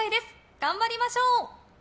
頑張りましょう！